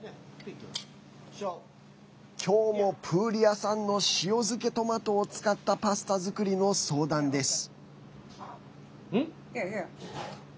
今日もプーリア産の塩漬けトマトを使ったパスタ作りの相談です。